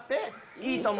いいとも！